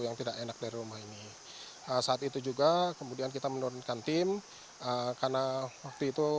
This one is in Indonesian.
yang tidak enak dari rumah ini saat itu juga kemudian kita menurunkan tim karena waktu itu